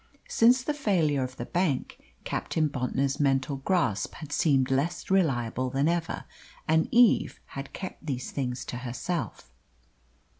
Since the failure of the bank, Captain Bontnor's mental grasp had seemed less reliable than ever, and Eve had kept these things to herself.